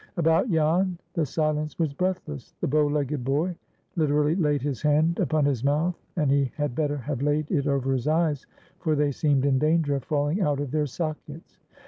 About Jan the silence was breathless. The bow legged boy literally laid his hand upon his mouth, and he had better have laid it over his eyes, for they seemed in danger of falling out of their sockets.